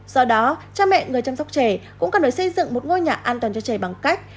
do đó cha mẹ người chăm sóc trẻ cũng cần phải xây dựng một ngôi nhà an toàn cho trẻ bằng cách